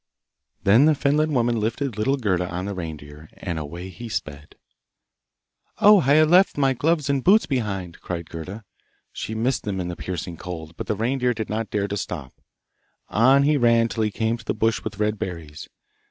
Then the Finland woman lifted little Gerda on the reindeer and away he sped. 'Oh, I have left my gloves and boots behind!' cried Gerda. She missed them in the piercing cold, but the reindeer did not dare to stop. On he ran till he came to the bush with red berries.